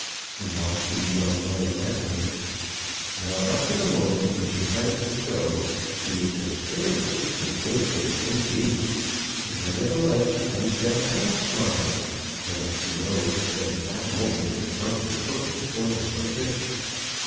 We all pretty well know what that means. Well; up to the moment when she has to show, she is as bitter a piece of goods as may be. But, nevertheless, she comes down all smiles, although she knows that at that moment the drunken cook is spoiling the fish.